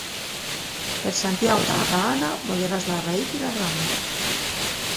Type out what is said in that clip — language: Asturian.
Per Santiago y Santa Ana, moyarás la raíz y la rama.